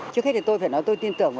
chưa hết thì tôi phải nói tôi tin tưởng